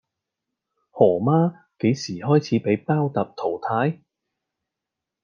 何媽由幾時開始俾包揼淘汰?